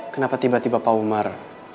kenapa tiba tiba pak umar